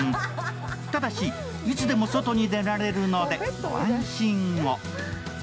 ただし、いつでも外に出られるのでご安心を。